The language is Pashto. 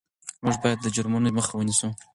موږ باید د جرمونو مخه ونیسو.